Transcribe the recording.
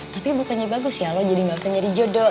tapi bukannya bagus ya lo jadi nggak usah nyari jodoh